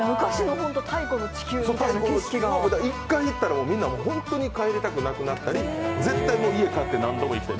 １回行ったら、みんな帰りたくなくなったり絶対家に帰って何度も行く。